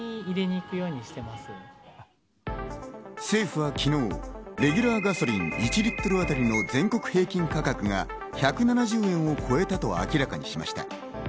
政府は昨日、レギュラーガソリン１リットル当たりの全国平均価格が１７０円を超えたと明らかにしました。